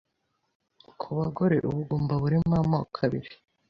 Ku bagore ubugumba burimo amoko abiri